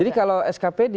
jadi kalau skpd